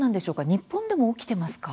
日本でも起きてますか？